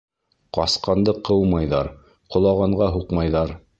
Ҡасҡанды ҡыумайҙар, ҡолағанға һуҡмайҙар.